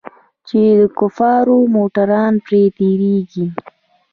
چې د کفارو موټران پر تېرېږي.